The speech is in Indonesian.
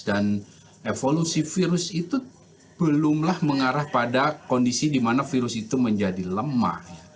dan evolusi virus itu belumlah mengarah pada kondisi di mana virus itu menjadi lemah